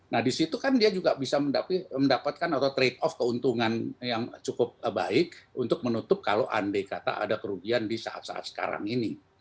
nah disitu kan dia juga bisa mendapatkan atau trade off keuntungan yang cukup baik untuk menutup kalau andai kata ada kerugian di saat saat sekarang ini